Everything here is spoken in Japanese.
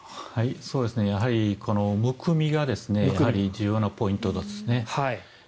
やはりむくみが重要なポイントですね。